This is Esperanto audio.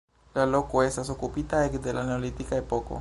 La loko estas okupita ekde la neolitika epoko.